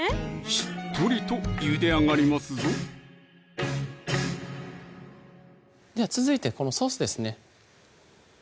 しっとりとゆで上がりますぞでは続いてこのソースですね